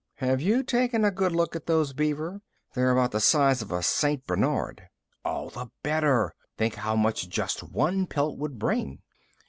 "Have you taken a good look at those beaver? They're about the size of a St. Bernard." "All the better. Think how much just one pelt would bring."